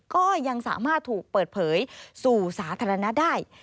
ก็ยังสามารถถูกเปิดเผยสู่สาธารณะได้